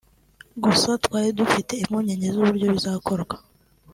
Gusa twari dufite impungenge z’uburyo bizakorwamo